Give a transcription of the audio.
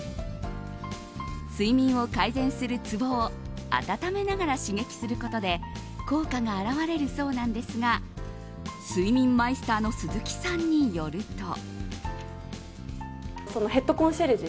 睡眠を改善するツボを温めながら刺激することで効果が表れるそうなんですが睡眠マイスターの鈴木さんによると。